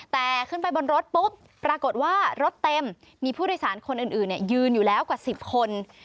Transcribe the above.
แต่ขึ้นไปบนรถปุ๊บปรากฏว่ารถเต็มมีผู้โดยสารคนอื่นยืนอยู่แล้วกว่า๑๐คน